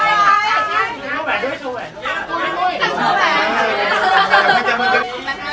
อันนั้นจะเป็นภูมิแบบเมื่อ